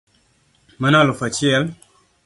Mano alufu achiel